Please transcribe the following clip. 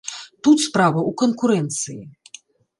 Тут справа ў канкурэнцыі.